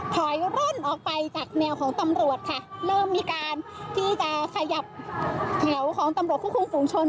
ถอยร่นออกไปจากแนวของตำรวจค่ะเริ่มมีการที่จะขยับเขาของตำรวจควบคุมฝุงชน